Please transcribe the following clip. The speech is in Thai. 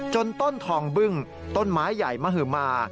ต้นทองบึ้งต้นไม้ใหญ่มหมา